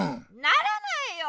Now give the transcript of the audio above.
ならないよ！